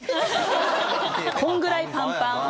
このぐらいパンパン。